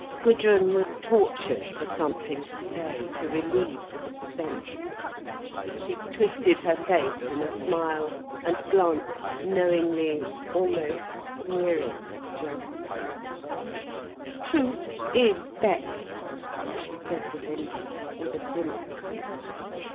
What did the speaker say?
Gudrun was tortured for something to say, to relieve the suspense. She twisted her face in a smile, and glanced knowingly, almost sneering, at Gerald. "Truth is best," she said to him, with a grimace.